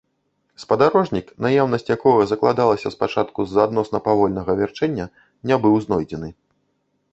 Спадарожнік, наяўнасць якога закладалася спачатку з-за адносна павольнага вярчэння, не быў знойдзены.